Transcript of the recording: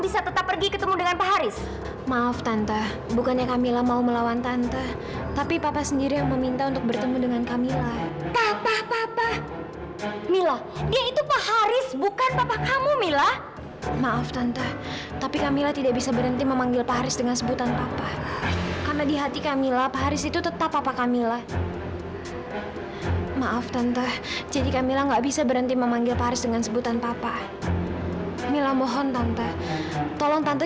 sampai jumpa di video selanjutnya